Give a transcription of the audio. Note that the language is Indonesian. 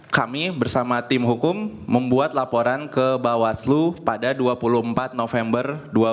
kami bersama tim hukum membuat laporan ke bawaslu pada dua puluh empat november dua ribu dua puluh